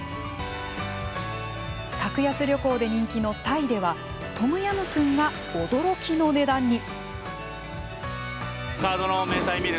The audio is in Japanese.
格安旅行で人気のタイではトムヤムクンが驚きの値段に。